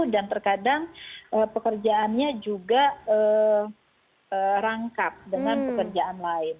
dan terkadang pekerjaannya juga rangkap dengan pekerjaan lain